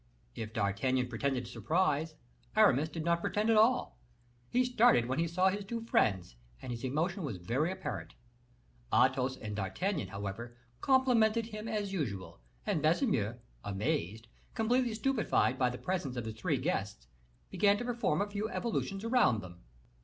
If D'Artagnan pretended surprise, Aramis did not pretend at all; he started when he saw his two friends, and his emotion was very apparent. Athos and D'Artagnan, however, complimented him as usual, and Baisemeaux, amazed, completely stupefied by the presence of his three guests, began to perform a few evolutions around them.